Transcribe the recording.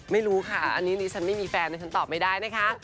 ไม่รู้ค่ะอันนี้ดิฉันไม่มีแฟนดิฉันตอบไม่ได้นะคะ